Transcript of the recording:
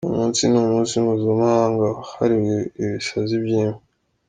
Uyu munsi ni umunsi mpuzamahanga wahariwe ibisazi by’imbwa.